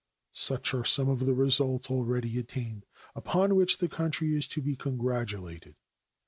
Such are some of the results already attained, upon which the country is to be congratulated.